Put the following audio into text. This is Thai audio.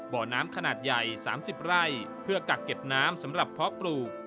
บ่อน้ำขนาดใหญ่๓๐ไร่เพื่อกักเก็บน้ำสำหรับเพาะปลูก